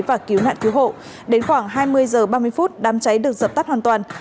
và cứu nạn cứu hộ đến khoảng hai mươi h ba mươi phút đám cháy được dập tắt hoàn toàn